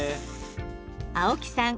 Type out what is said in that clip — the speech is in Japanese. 青木さん